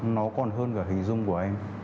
nó còn hơn cả hình dung của em